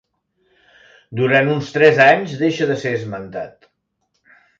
Durant uns tres anys deixa de ser esmentat.